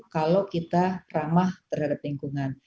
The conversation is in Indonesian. kalau kita ramah terhadap lingkungan